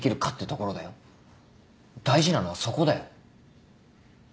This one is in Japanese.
大事なのはそこだよ。